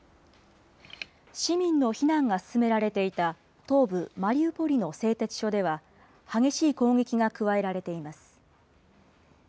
市民の避難が進められていた東部マリウポリの製鉄所では、激しい攻撃が加えられています。